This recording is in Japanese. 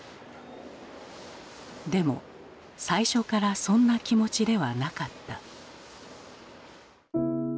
でも最初からそんな気持ちではなかった。